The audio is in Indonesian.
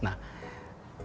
nah ini adalah satu